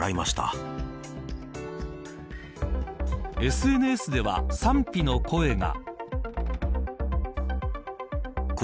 ＳＮＳでは賛否の声が。